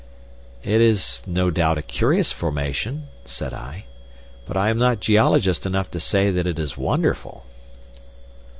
"It is no doubt a curious formation," said I "but I am not geologist enough to say that it is wonderful."